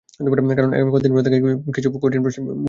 কারণ, কদিন পরই তাঁকে কিছু কঠিন কঠিন প্রশ্নের মুখে পড়তে হবে।